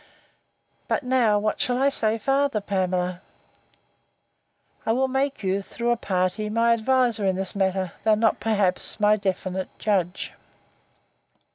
But now, what shall I say farther, Pamela?—I will make you, though a party, my adviser in this matter, though not, perhaps, my definitive judge.